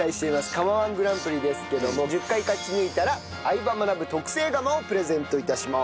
釜−１グランプリですけども１０回勝ち抜いたら『相葉マナブ』特製釜をプレゼント致します。